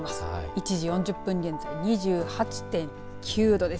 １時４０分現在２８．９度です。